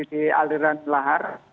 jadi aliran lahar